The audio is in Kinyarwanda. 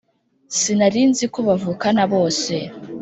Sinarinziko bavukana bose